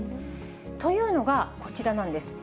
というのが、こちらなんです。